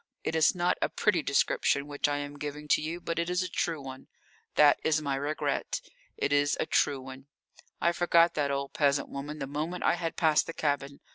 It is not a pretty description which I am giving to you, but it is a true one. That is my regret, it is a true one. I forgot that old peasant woman the moment I had passed the cabin.